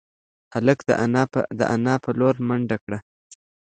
هلک د انا په لور منډه کړه.